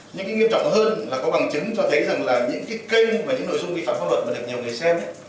nhưng cái nghiêm trọng hơn là có bằng chứng cho thấy rằng là những cái kênh và những nội dung vi phạm pháp luật mà được nhiều người xem